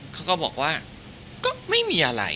เขาก็บอกว่าก็ไม่มีอะไร